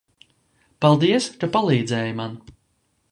Paldies, ka palīdzēji man!